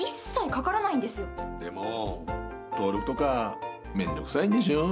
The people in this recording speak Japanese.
でも登録とか面倒くさいんでしょう？